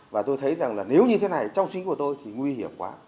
và tôi thấy rằng là nếu như thế này trong suy nghĩ của tôi thì nguy hiểm quá